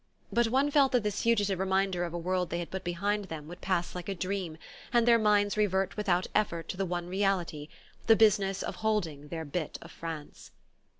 But one felt that this fugitive reminder of a world they had put behind them would pass like a dream, and their minds revert without effort to the one reality: the business of holding their bit of France.